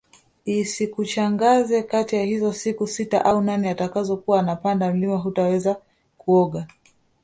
Isikushangaze kati ya hizo siku sita au nane utakazo kuwa unapanda mlima hutaweza kuoga